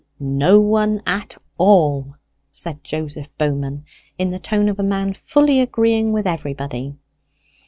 "No one at all," said Joseph Bowman, in the tone of a man fully agreeing with everybody.